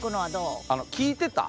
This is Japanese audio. あの聞いてた？